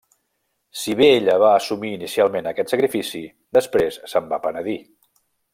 Si bé ella va assumir inicialment aquest sacrifici, després se'n va penedir.